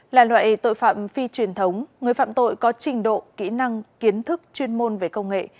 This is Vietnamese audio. là loại tội phạm phi truyền thống người phạm tội có trình độ kỹ năng kiến thức chuyên môn về công nghệ